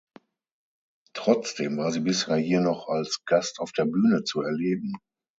Trotzdem war sie bisher hier noch als Gast auf der Bühne zu erleben.